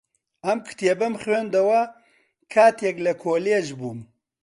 ئەم کتێبەم خوێندەوە کاتێک لە کۆلێژ بووم.